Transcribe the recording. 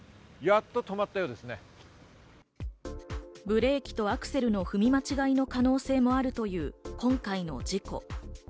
ブレーキとアクセルの踏み間違いの可能性もあるという今回の事故。